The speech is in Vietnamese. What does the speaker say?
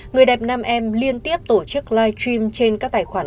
người đẹp nam em liên tiếp tổ chức live stream trên các tài khoản